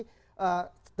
ndra kun layout